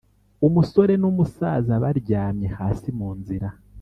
“Umusore n’umusaza baryamye hasi mu nzira,